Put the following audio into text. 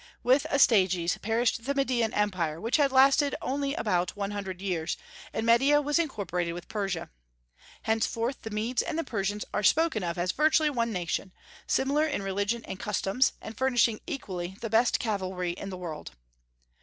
With Astyages perished the Median Empire, which had lasted only about one hundred years, and Media was incorporated with Persia. Henceforth the Medes and Persians are spoken of as virtually one nation, similar in religion and customs, and furnishing equally the best cavalry in the world.